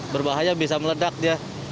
berbahaya bisa meledak dia